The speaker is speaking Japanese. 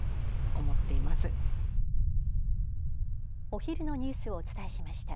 お昼のニュースをお伝えしました。